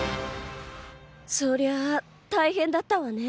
そりゃ大変だったわね。